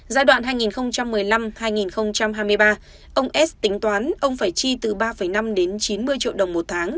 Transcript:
giai đoạn hai nghìn một mươi năm hai nghìn hai mươi ba ông s tính toán ông phải chi từ ba năm đến chín mươi triệu đồng một tháng